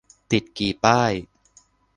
ติดกี่ป้าย ?